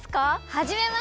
はじめまして！